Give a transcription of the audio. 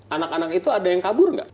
anak anak itu ada yang kabur nggak